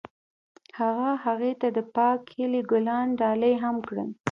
هغه هغې ته د پاک هیلې ګلان ډالۍ هم کړل.